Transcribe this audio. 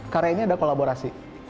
karya ini ada kolaborasi